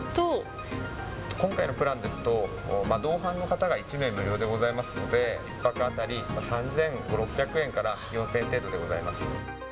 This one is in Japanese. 今回のプランですと、同伴の方が１名無料でございますので、１泊当たり３５００、６００円から４０００円程度でございます。